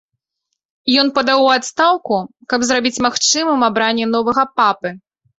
Ён падаў у адстаўку, каб зрабіць магчымым абранне новага папы.